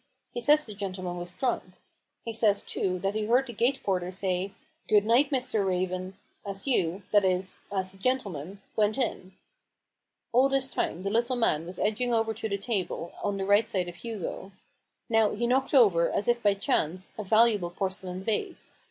He says the gentleman was drunk. He says, too, that he heard the gate porter say: f Good night, Mr. Raven,' as you — that is, as the gentleman went in." All this time the little man was edging over to the table, on the right side of Hugo. Now he knocked over, as if by chance, a valuable porcelain vase.